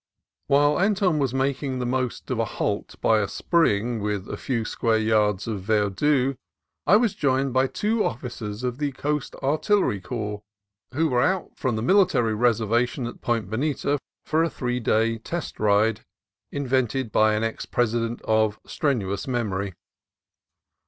While Anton was making the most of a halt by a spring with a few square yards of verdure, I was joined by two officers of the Coast Artillery Corps, who were out from the Military Reservation at Point Bonita for the three day test ride invented by an ex President of strenuous memory.